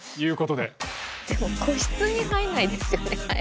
でも個室に入んないですよねハエ。